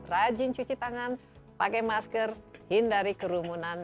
rajin cuci tangan pakai masker hindari kerumunan